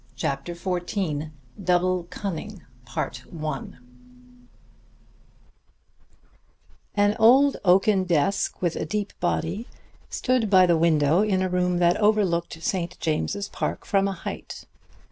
CHAPTER XIV DOUBLE CUNNING An old oaken desk with a deep body stood by the window in a room that overlooked St. James's Park from a height.